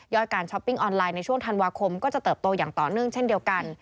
การช้อปปิ้งออนไลน์ในช่วงธันวาคมก็จะเติบโตอย่างต่อเนื่องเช่นเดียวกัน